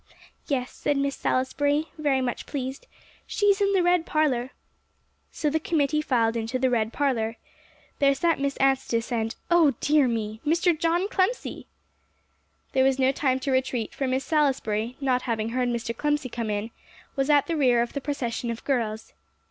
"Yes," said Miss Salisbury, very much pleased; "she is in the red parlor." So the committee filed into the red parlor. There sat Miss Anstice, and oh dear me! Mr. John Clemcy! There was no time to retreat; for Miss Salisbury, not having heard Mr. Clemcy come in, was at the rear of the procession of girls.